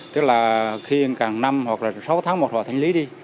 tức là khi càng năm hoặc là sáu tháng một họ thanh lý đi